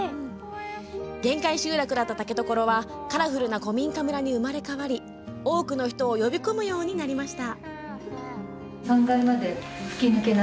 限界集落だった竹所はカラフルな古民家村に生まれ変わり多くの人を呼び込むようになりました。